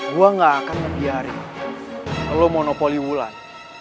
gue nggak akan membiarkan lo monopoli wulan